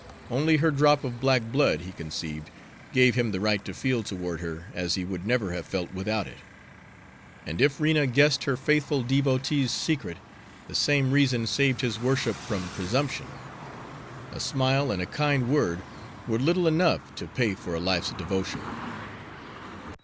Only her drop of black blood, he conceived, gave him the right to feel toward her as he would never have felt without it; and if Rena guessed her faithful devotee's secret, the same reason saved his worship from presumption. A smile and a kind word were little enough to pay for a life's devotion.